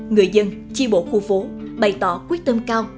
người dân chi bộ khu phố bày tỏ quyết tâm cao